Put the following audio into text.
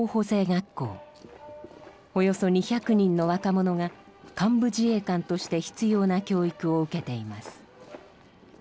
およそ２００人の若者が幹部自衛官として必要な教育を受けています。